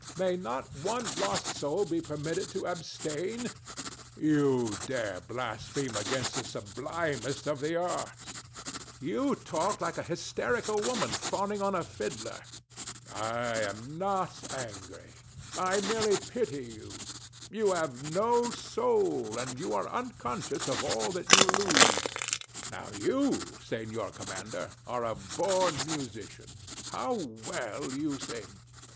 May not one lost soul be permitted to abstain? THE DEVIL. You dare blaspheme against the sublimest of the arts! DON JUAN. [with cold disgust] You talk like a hysterical woman fawning on a fiddler. THE DEVIL. I am not angry. I merely pity you. You have no soul; and you are unconscious of all that you lose. Now you, Senor Commander, are a born musician. How well you sing!